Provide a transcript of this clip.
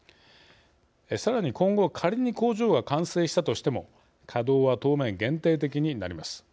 さらに、今後仮に、工場が完成したとしても稼働は当面、限定的になります。